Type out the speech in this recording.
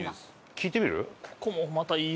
聞いてみる？